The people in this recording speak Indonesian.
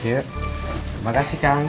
terima kasih kang